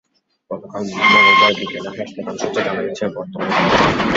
গতকাল মঙ্গলবার বিকেলে হাসপাতাল সূত্রে জানা গেছে, বর্তমানে তারা সবাই শঙ্কামুক্ত।